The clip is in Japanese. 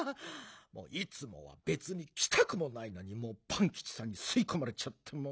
いつもはべつにきたくもないのにパンキチさんにすいこまれちゃって。